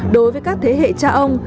đối với các thế hệ cha ông